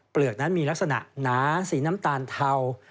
นั้นมีลักษณะหนาสีน้ำตาลเทา